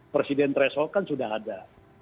presiden threshold kan sudah ada